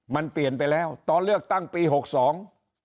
มันเปลี่ยนไปแล้วตอนเลือกตั้งปีหกสอง